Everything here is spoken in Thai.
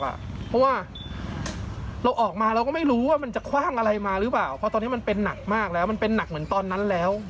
เพราะว่าเราออกมาเราก็ไม่รู้ว่ามันจะคว่างอะไรมาหรือเปล่าเพราะตอนนี้มันเป็นหนักมากแล้วมันเป็นหนักเหมือนตอนนั้นแล้ว